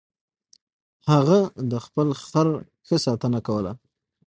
هغه د خپل خر ښه ساتنه کوله.